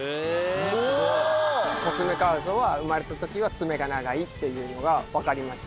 コツメカワウソは生まれた時は爪が長いっていうのがわかります。